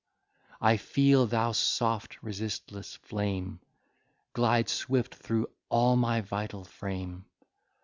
I feel thou soft resistless flame Glide swift through all my vital frame!